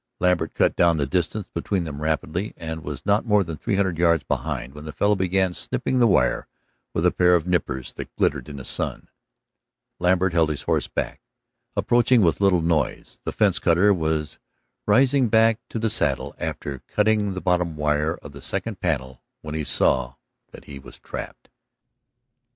Lambert cut down the distance between them rapidly, and was not more than three hundred yards behind when the fellow began snipping the wire with a pair of nippers that glittered in the sun. Lambert held his horse back, approaching with little noise. The fence cutter was rising back to the saddle after cutting the bottom wire of the second panel when he saw that he was trapped.